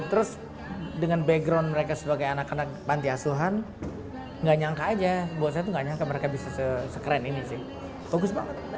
terus dengan background mereka sebagai anak anak pantiasuhan nggak nyangka aja mereka bisa sekeren ini sih bagus banget